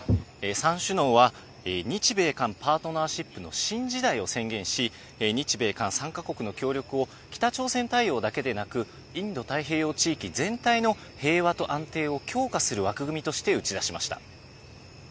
３首脳は日米韓パートナーシップの新時代を宣言し、日米韓３カ国の協力を、北朝鮮対応だけでなく、インド太平洋地域全体の平和と安定を強化する枠組みとして打ち出しました。